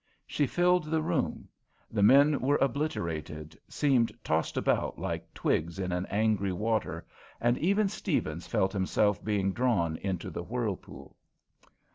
She filled the room; the men were obliterated, seemed tossed about like twigs in an angry water, and even Steavens felt himself being drawn into the whirlpool.